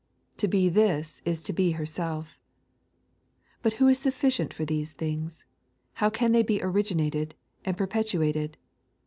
To be this is to be bereelf . But who ia sufficient for these things } How can they be originated and perpetuated